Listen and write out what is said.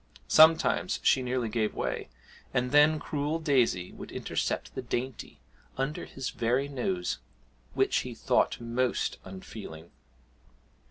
Sometimes she nearly gave way, and then cruel Daisy would intercept the dainty under his very nose, which he thought most unfeeling.